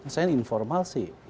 saya ini informal sih